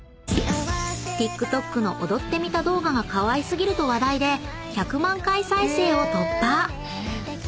［ＴｉｋＴｏｋの踊ってみた動画がかわい過ぎると話題で１００万回再生を突破］